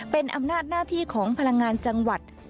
เป็นอำนาจหน้าที่ของพลังงานจังหวัด